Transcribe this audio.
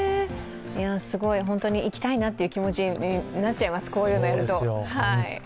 本当に行きたいなという気持ちになっちゃいます、こういうのをやると。